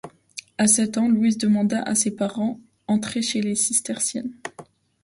À sept ans, Louise demande à ses parents à entrer chez les cisterciennes.